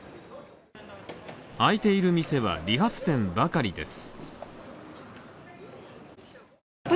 開いている店は、理髪店ばかりです。